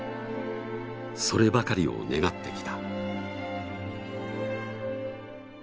そればかりを願ってきた。